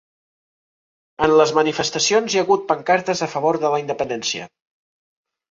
En les manifestacions hi ha hagut pancartes a favor de la independència